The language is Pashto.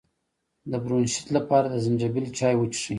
د برونشیت لپاره د زنجبیل چای وڅښئ